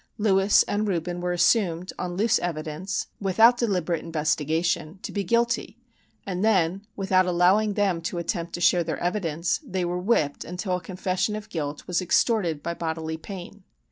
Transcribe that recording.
Lewis and Reuben were assumed, on loose evidence, without deliberate investigation, to be guilty; and then, without allowing them to attempt to show their evidence, they were whipped, until a confession of guilt was extorted by bodily pain.